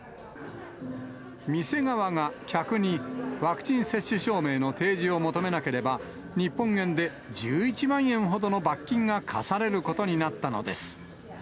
店側が客にワクチン接種証明の提示を求めなければ、日本円で１１万円ほどの罰金が科されることになったのです。